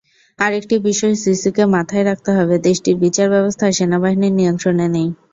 আরেকটি বিষয় সিসিকে মাথায় রাখতে হবে, দেশটির বিচারব্যবস্থা সেনাবাহিনীর নিয়ন্ত্রণে নেই।